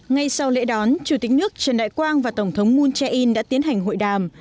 ngay sau lễ đón chủ tịch nước trần đại quang và tổng thống moon jae in đã tiến hành hội đàm